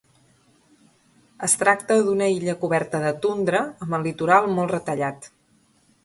Es tracta d'una illa coberta de tundra amb el litoral molt retallat.